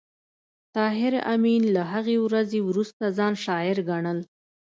طاهر آمین له هغې ورځې وروسته ځان شاعر ګڼل